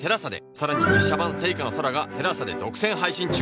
さらに実写版『ＳＥＩＫＡ の空』が ＴＥＬＡＳＡ で独占配信中。